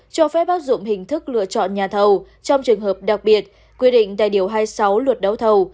cho phép áp dụng hình thức lựa chọn nhà thầu trong trường hợp đặc biệt quy định tại điều hai mươi sáu luật đấu thầu